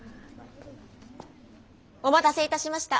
お待たせいたしました。